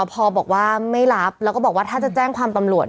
พอบอกว่าไม่รับแล้วก็บอกว่าถ้าจะแจ้งความตำรวจ